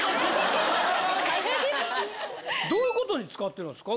どういうことに使ってるんですか？